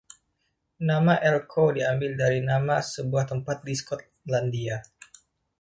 Nama Elcho diambil dari nama sebuah tempat di Skotlandia.